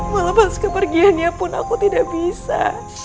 melepas kepergiannya pun aku tidak bisa